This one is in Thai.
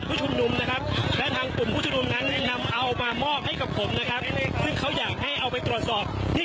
ทางตำรวจนั้นก็ยังให้ชุมนุมตามปกติ